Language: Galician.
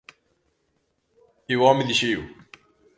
E o home de xeo.